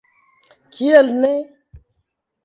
Kiel ne?